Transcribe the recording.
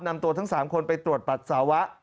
นำตัวทั้ง๓คนไปตรวจปัสสาวะ